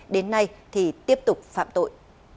đến nay thì tiếp tục phạm tội